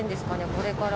これから。